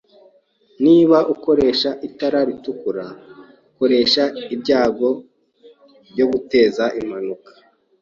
Niba ukoresha itara ritukura, ukoresha ibyago byo guteza impanuka.